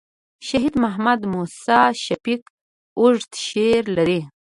شهید محمد موسي شفیق اوږد شعر لري.